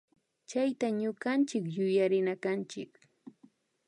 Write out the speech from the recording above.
Chayta ñukanchik yuyarinakanchik